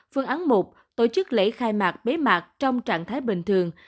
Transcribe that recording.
phương án một tổ chức lễ khai mạc bế mạc trong trạng thái bình thường